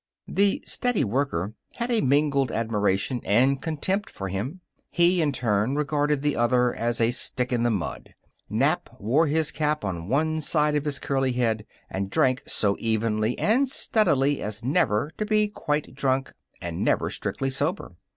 The steady worker had a mingled admiration and contempt for him. He, in turn, regarded the other as a stick in the mud. Nap wore his cap on one side of his curly head, and drank so evenly and steadily as never to be quite drunk and never strictly sober.